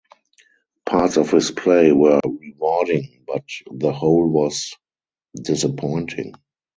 Parts of his play were rewarding but the whole was disappointing.